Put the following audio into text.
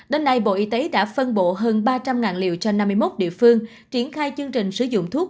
đến nay bộ y tế đã phân bộ hơn ba trăm linh liều cho năm mươi một địa phương triển khai chương trình sử dụng thuốc